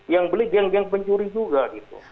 yang beli geng geng pencuri juga gitu